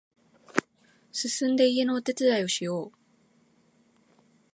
すすんで家のお手伝いをしよう